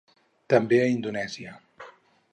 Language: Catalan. També a Indonèsia.